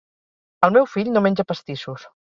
El meu fill no menja pastissos